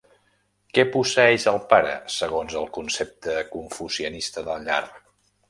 Què posseeix el pare segons el concepte confucianista de llar?